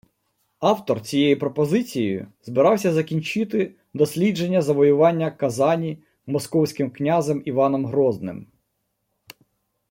Автор цією пропозицією збирався закінчити дослідження завоювання Казані Московським князем Іваном Грозним